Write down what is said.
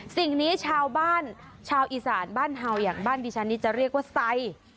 สิ่งนี้ชาวบ้านชาวอีสานบ้านเห่าอย่างบ้านดิฉันนี้จะเรียกว่าไซ